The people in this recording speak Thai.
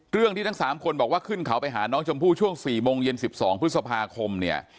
เรื่องที่ทั้ง๓คนบอกว่าขึ้นเขาไปหาน้องชมพู่ช่วง๔โมงเย็น๑๒พฤษภาคมเนี่ย